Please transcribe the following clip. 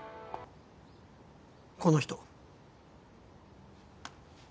この人。